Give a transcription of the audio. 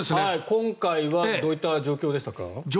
今回はどういった状況でしたか。